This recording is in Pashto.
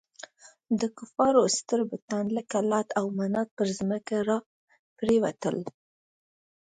د کفارو ستر بتان لکه لات او منات پر ځمکه را پرېوتل.